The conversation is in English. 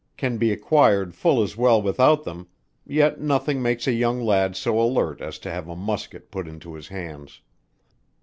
can be acquired full as well without them; yet nothing makes a young lad so alert as to have a musket put into his hands.